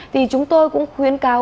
thì chúng tôi cũng khuyên cao